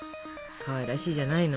かわいらしいじゃないの。